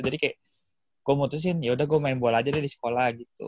jadi kayak gue mutusin yaudah gue main bola aja deh di sekolah gitu